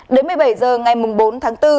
đến một mươi bảy h ngày bốn tháng bốn